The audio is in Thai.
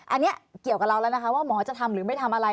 อันนี้เกี่ยวกับเราแล้วนะคะว่าหมอจะทำหรือไม่ทำอะไร